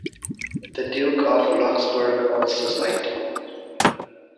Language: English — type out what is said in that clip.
The Duke of Roxburghe owns the site.